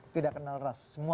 tidak kenal ras semua